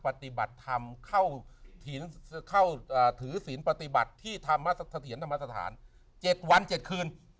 ปฏิบัติธรรมเข้าถือศีลปฏิบัติที่ธรรมเสถียรธรรมสถาน๗วัน๗คืน